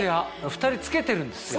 ２人着けてるんですよ。